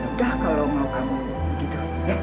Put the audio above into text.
udah kalau mau kamu gitu